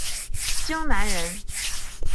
荆南人。